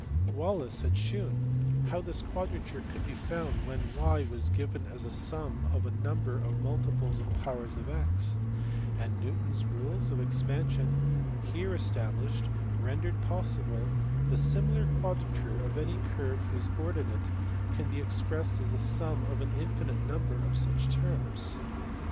Wallis had shewn how this quadrature could be found when y was given as a sum of a number of multiples of powers of x, and Newton s rules of expansion here established rendered possible the similar quadrature of any curve whose ordinate can be expressed as the sum of an infinite number of such terms.